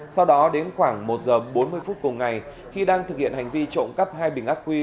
sau đó đến khoảng một giờ bốn mươi phút cùng ngày khi đang thực hiện hành vi trộm cắp hai bình ác quy